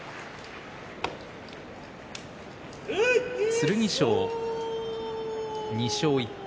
剣翔は２勝１敗。